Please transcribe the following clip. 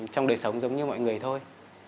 trong đời sống giống như mọi người thôi